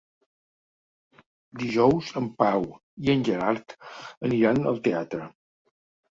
Dijous en Pau i en Gerard aniran al teatre.